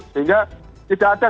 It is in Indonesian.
sehingga tidak ada